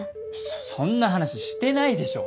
そそんな話してないでしょ？